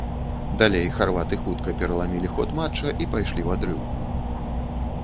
Далей харваты хутка пераламілі ход матча і пайшлі ў адрыў.